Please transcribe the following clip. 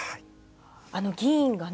あの議員がね